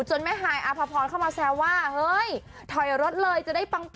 แม่ฮายอภพรเข้ามาแซวว่าเฮ้ยถอยรถเลยจะได้ปัง